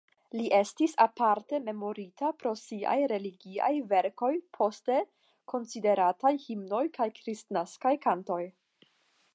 Li estis aparte memorita pro siaj religiaj verkoj poste konsiderataj himnoj kaj kristnaskaj kantoj.